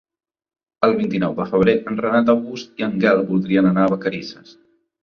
El vint-i-nou de febrer en Renat August i en Quel voldrien anar a Vacarisses.